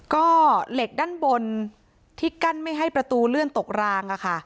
ก็เหล็กด้านบนที่กั้นไม่ให้ประตูเลื่อนตกราง